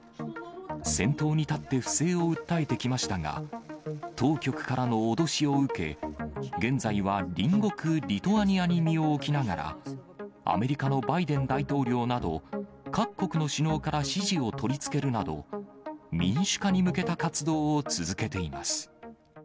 先頭に立って不正を訴えてきましたが、当局からの脅しを受け、現在は隣国、リトアニアに身を置きながら、アメリカのバイデン大統領など、各国の首脳から支持を取り付けるなど、民主化に向けた活動を続けています。